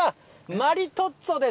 マリトッツォです。